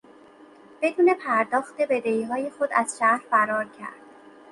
بدون پرداخت بدهیهای خود از شهر فرار کرد.